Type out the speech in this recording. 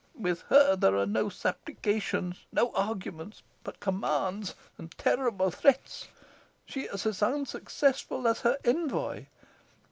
With her there are no supplications no arguments; but commands and terrible threats. She is as unsuccessful as her envoy.